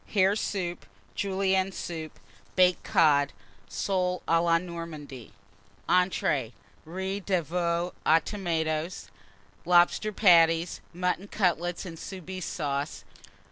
Hare Soup. Julienne Soup. Baked Cod. Soles à la Normandie. ENTREES. Riz de Veau aux Tomates. Lobster Patties. Mutton Cutlets and Soubise Sauce.